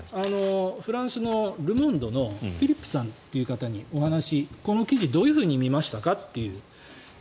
フランスのル・モンドのフィリップさんという方にお話をこの記事、どういうふうに見ましたか？という。